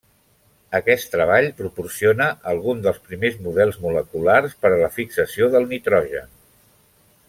Aquest treball proporciona alguns dels primers models moleculars per a la fixació del nitrogen.